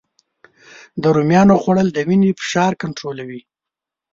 د رومیانو خوړل د وینې فشار کنټرولوي